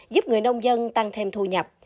giúp người nông dân tăng thêm thu nhập